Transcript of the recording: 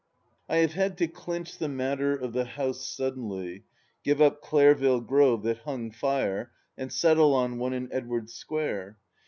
I HAVE had to clinch the matter of the house suddenly, give up Clareville Grove that hung fire, and settle on one in Edwardes Square.